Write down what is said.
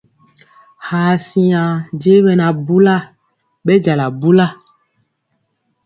Ha siŋa je ɓɛ na bula, ɓɛ jala bula.